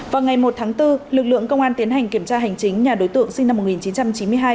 vào ngày một tháng bốn lực lượng công an tiến hành kiểm tra hành chính nhà đối tượng sinh năm một nghìn chín trăm chín mươi hai